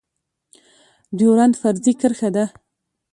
ډيورنډ فرضي کرښه ده